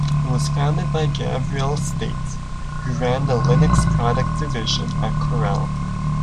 It was founded by Gavriel State, who ran the Linux product division at Corel.